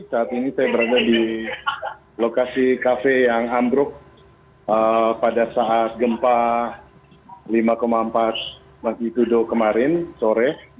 saat ini saya berada di lokasi kafe yang ambruk pada saat gempa lima empat magnitudo kemarin sore